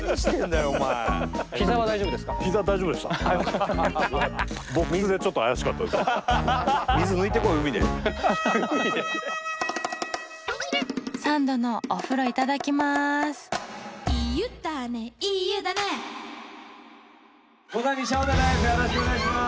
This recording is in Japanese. よろしくお願いします！